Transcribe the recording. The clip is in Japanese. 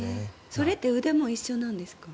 それって腕も一緒なんですか？